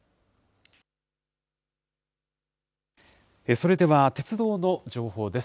それでは鉄道の情報です。